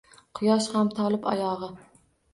Quyosh ham tolib oyog’i